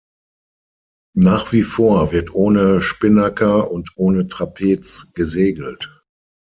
Nach wie vor wird ohne Spinnaker und ohne Trapez gesegelt.